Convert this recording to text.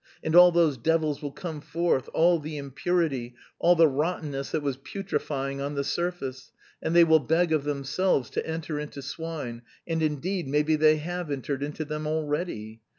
and all those devils will come forth, all the impurity, all the rottenness that was putrefying on the surface ... and they will beg of themselves to enter into swine; and indeed maybe they have entered into them already!